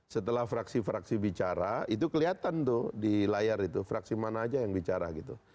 setelah fraksi fraksi bicara itu kelihatan tuh di layar itu fraksi mana aja yang bicara gitu